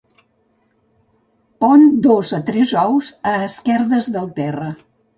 Pon dos a tres ous a esquerdes del terra.